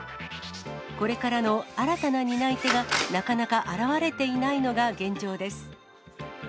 これからの新たな担い手がなかなか現れていないのが現状です。